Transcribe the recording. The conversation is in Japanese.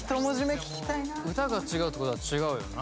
・歌が違うってことは違うよな